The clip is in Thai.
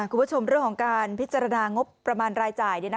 คุณผู้ชมเรื่องของการพิจารณางบประมาณรายจ่าย